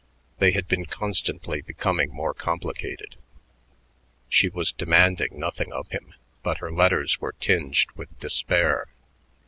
They had been constantly becoming more complicated. She was demanding nothing of him, but her letters were tinged with despair.